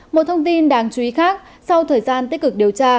một thông tin đáng chú ý khác sau thời gian tích cực điều tra